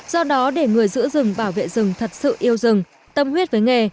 do đó để người giữ rừng bảo vệ rừng thật sự yêu rừng tâm huyết với nghề